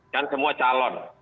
kan semua calon